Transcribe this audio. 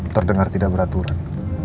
terdengar tidak beraturan